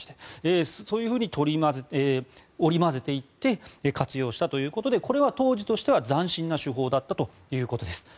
そういうふうに織り交ぜていって活用したということでこれは当時としては斬新な手法だったということです。